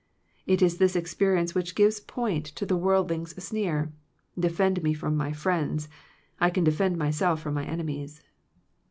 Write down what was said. It is this experience which gives point to the worldling's sneer, Defend me from my friends, I can defend myself from my enemies.